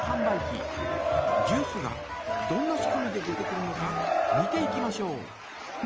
ジュースがどんな仕組みで出てくるのか見ていきましょう。